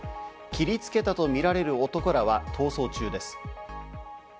切りつけたとみられる男らは逃走中です。